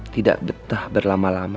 tidak betah berlama lama